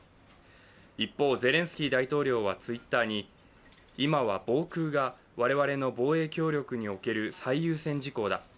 一方、ゼレンスキー大統領はＴｗｉｔｔｅｒに今は防空が我々の防衛協力における最優先事項だ。